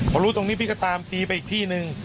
พอรู้ตรงนี้พี่ก็ตามตีไปอีกที่หนึ่ง